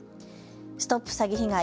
ＳＴＯＰ詐欺被害！